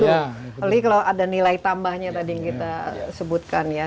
apalagi kalau ada nilai tambahnya tadi yang kita sebutkan ya